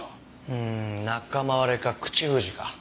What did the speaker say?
うーん仲間割れか口封じか。